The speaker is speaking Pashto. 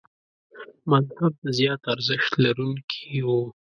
مذهب د زیات ارزښت لرونکي و.